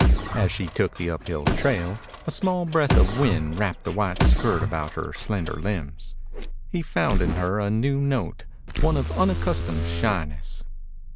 As she took the uphill trail a small breath of wind wrapped the white skirt about her slender limbs. He found in her a new note, one of unaccustomed shyness.